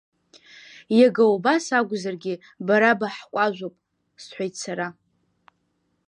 Иага убас акәзаргьы, бара баҳкәажәуп, – сҳәеит сара.